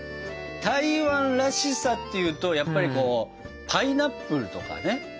台湾らしさっていうとやっぱりこうパイナップルとかね。